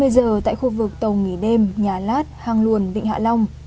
hai mươi giờ tại khu vực tàu nghỉ đêm nhà lát hang luồn vịnh hạ long